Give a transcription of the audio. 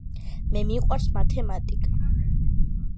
Მე მიყვარს მათემათიკა